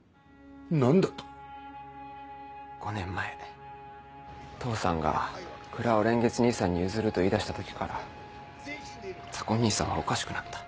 何だと⁉５年前父さんが蔵を蓮月兄さんに譲ると言い出した時から左紺兄さんはおかしくなった。